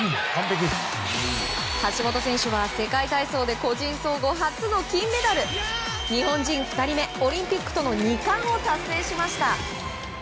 橋本選手は世界体操で個人総合初の金メダル。日本人２人目、オリンピックとの２冠を達成しました。